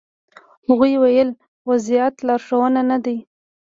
هغوی ویل وضعیت لا روښانه نه دی.